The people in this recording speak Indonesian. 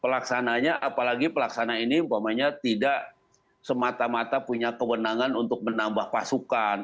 pelaksananya apalagi pelaksana ini umpamanya tidak semata mata punya kewenangan untuk menambah pasukan